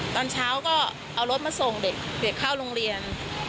ตอนเช้าก็เอารถมาส่งเด็กเข้าโรงเรียน